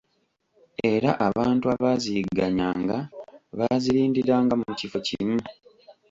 Era abantu abaaziyigganyanga baazirindiranga mu kifo kimu.